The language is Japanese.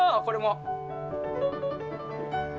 これも。